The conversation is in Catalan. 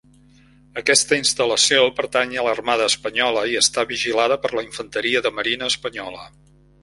Aquesta instal·lació pertany a l'Armada Espanyola i està vigilada per la Infanteria de Marina espanyola.